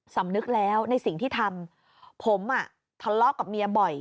สำนึกแล้วในสิ่งที่ทำผมอ่ะทะเลาะกับเมียบ่อย